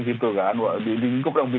gitu kan di lingkup lebih